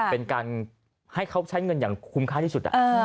เป็นการให้เขาใช้เงินอย่างคุ้มค่าที่สุด